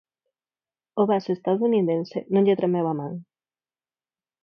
Ao base estadounidense no lle tremeu a man.